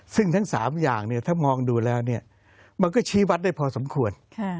ซึ่งทั้ง๓อย่างถ้ามองดูแล้วมันก็ชี้วัดได้พอสมควร